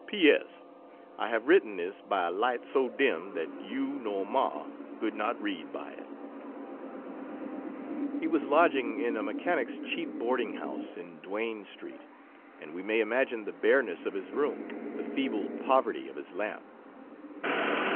P. S. I have written this by a light so dim that you nor Ma could not read by it. He was lodging in a mechanics' cheap boarding house in Duane Street, and we may imagine the bareness of his room, the feeble poverty of his lamp.